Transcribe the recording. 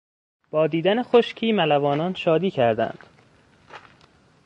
با دیدن خشکی ملوانان شادی کردند.